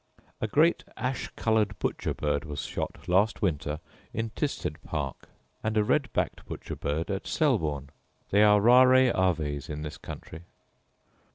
A great ash coloured butcher bird was shot last winter in Tisted park, and a red backed butcher bird at Selborne: they are rarae aves in this country.